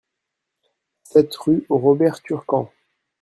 sept rue Robert Turquan